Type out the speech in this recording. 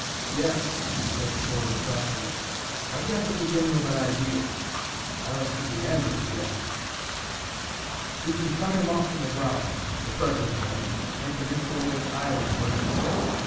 "Yes," he said slowly, thoughtfully, "I've got the beginning of an idea; I don't see the end of it yet. "We can cut him off from the ground the President, I mean make an insulated island where he sits.